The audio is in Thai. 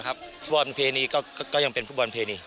ก็ยังเป็นผู้บอลเพรณี